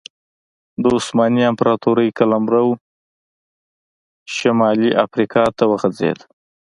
د عثماني امپراتورۍ قلمرو شولې افریقا ته وغځېد.